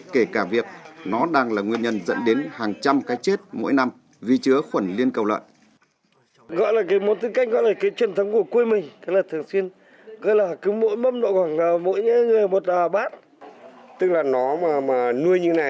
kể cả việc nó đang là nguyên nhân dẫn đến hàng trăm cái chết mỗi năm vì chứa khuẩn liên cầu lợn